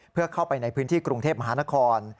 เพื่อเข้าไปในพื้นที่กรุงเทพมหานคร